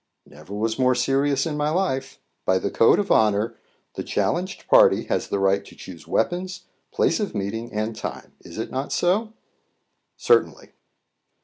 "Never was more serious in my life. By the code of honour, the challenged party has the right to choose weapons, place of meeting, and time. Is it not so?" "Certainly."